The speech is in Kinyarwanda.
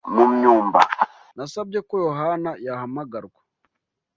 Nasabye ko Yohana yahamagarwa.